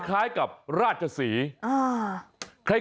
คล้ายกับราชศรี